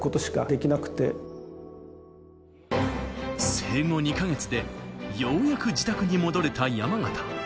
生後２か月でようやく自宅に戻れた山縣。